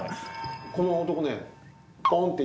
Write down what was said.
この男ね。